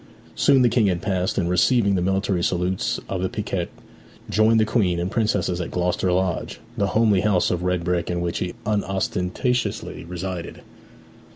Soon the King had passed, and receiving the military salutes of the piquet, joined the Queen and princesses at Gloucester Lodge, the homely house of red brick in which he unostentatiously resided.